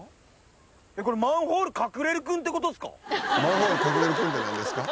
マンホール隠れる君ってなんですか？